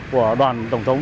của đoàn tổng thống